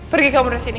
pergi kamu dari sini